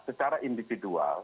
tidak terlalu individual